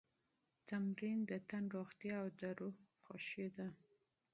ورزش د تن روغتیا او د روح خوښي ده.